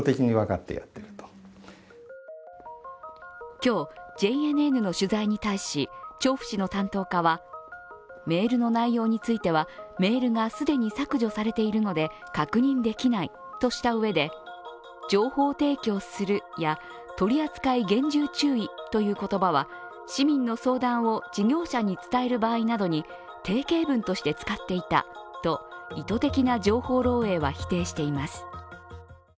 今日、ＪＮＮの取材に対し調布市の担当課はメールの内容については、メールが既に削除されているので確認できないとしたうえで情報提供するや取り扱い厳重注意という言葉は市民の相談を事業者に伝える場合などに定型文として使っていたと意図的な情報漏えいは否定しています。